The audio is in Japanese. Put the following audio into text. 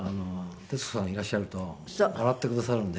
徹子さんがいらっしゃると笑ってくださるんで。